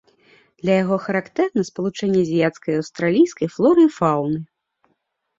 Для яго характэрна спалучэнне азіяцкай і аўстралійскай флоры і фаўны.